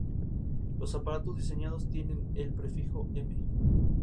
Los aparatos diseñados tienen el prefijo "M".